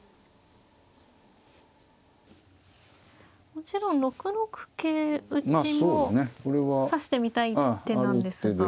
もちろん６六桂打も指してみたい手なんですが。